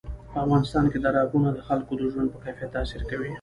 په افغانستان کې دریابونه د خلکو د ژوند په کیفیت تاثیر کوي.